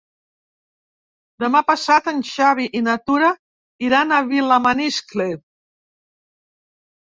Demà passat en Xavi i na Tura iran a Vilamaniscle.